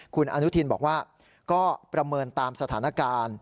คุณอนุทินบอกว่าก็ประเมินตามสถานการณ์